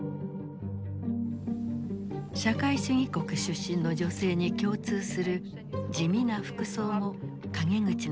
社会主義国出身の女性に共通する地味な服装も陰口の的となった。